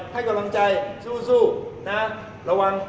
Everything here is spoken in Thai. ให้กำลังใจสู้นะ